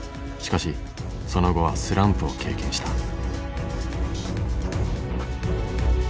しかしその後はスランプを経験した。